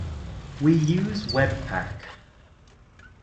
We use webpack